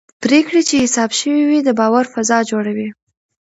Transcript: پرېکړې چې حساب شوي وي د باور فضا جوړوي